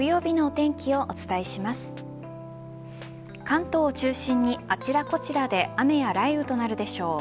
関東を中心にあちらこちらで雨や雷雨となるでしょう。